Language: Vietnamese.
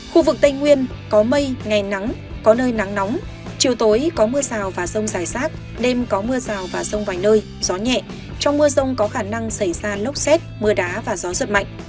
khu vực tây nguyên có mây ngày nắng có nơi nắng nóng chiều tối có mưa rào và rông dài rác đêm có mưa rào và rông vài nơi gió nhẹ trong mưa rông có khả năng xảy ra lốc xét mưa đá và gió giật mạnh